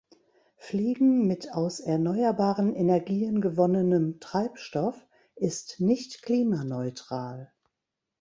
Fliegen mit aus erneuerbaren Energien gewonnenem Treibstoff ist nicht klimaneutral.